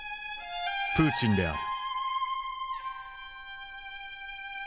プーチンである。